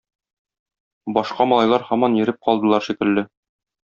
Башка малайлар һаман йөреп калдылар шикелле.